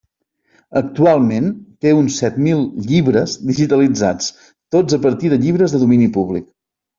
Actualment té uns set mil llibres digitalitzats, tots a partir de llibres de domini públic.